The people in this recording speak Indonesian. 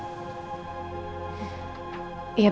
aku baik baik aja